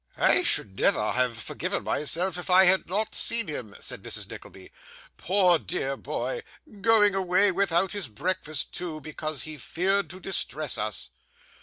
'I should never have forgiven myself if I had not seen him,' said Mrs Nickleby. 'Poor dear boy going away without his breakfast too, because he feared to distress us!